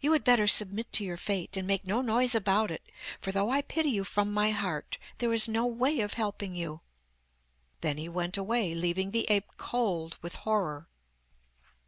You had better submit to your fate, and make no noise about it, for though I pity you from my heart there is no way of helping you.' Then he went away, leaving the ape cold with horror.